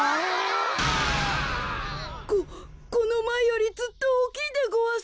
ここのまえよりずっとおおきいでごわす。